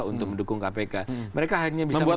untuk mendukung kpk mereka hanya bisa mengatakan